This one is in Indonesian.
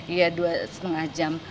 iya dua setengah jam